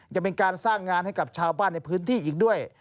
ยังเป็นการสร้างงานให้กับชาวบ้านในพื้นที่อีกด้วย